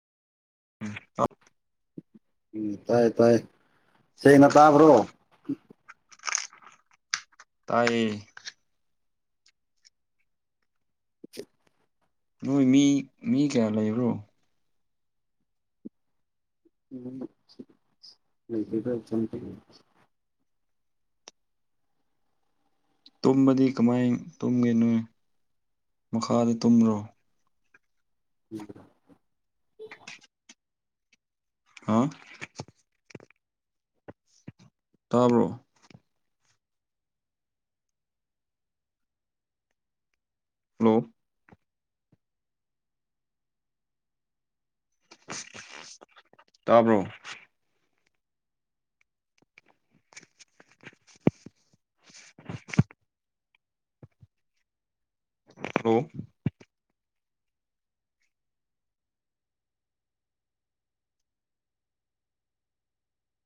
ꯎꯝ ꯑꯞ ꯎꯝ ꯇꯥꯏ ꯇꯥꯏ ꯁꯦꯡꯅ ꯇꯥꯕ꯭ꯔꯣ ꯇꯥꯏꯌꯦ [unintelligible] ꯅꯣꯏ ꯃꯤ ꯃꯤ ꯀꯌꯥ ꯂꯩꯕ꯭ꯔꯣ ꯎꯝ ꯂꯩꯕꯒ ꯆꯟꯗꯦ ꯇꯨꯝꯕꯗꯤ ꯀꯃꯥꯏ ꯇꯨꯝꯒꯦ ꯅꯣꯏ ꯃꯈꯥꯗ ꯇꯨꯝꯕꯔꯣ ꯎꯝ ꯍꯥ ꯇꯥꯕ꯭ꯔꯣ ꯍꯜꯂꯣ ꯇꯥꯕ꯭ꯔꯣ ꯍꯜꯂꯣ